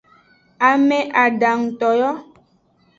Ame adanguto yo.